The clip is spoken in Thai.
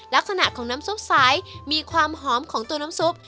ลักษณะของน้ำซุปสายมีความหอมของตัวน้ำซุป